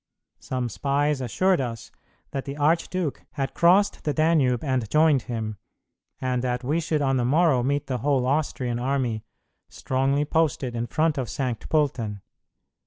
Some spies assured us that the archduke had crossed the Danube and joined him, and that we should on the morrow meet the whole Austrian army, strongly posted in front of Saint Pölten.